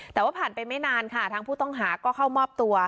แต่ว่าผ่านไปไม่นานค่ะทางผู้ต้องหาก็เข้ามอบตัว